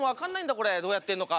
これどうやってんのか。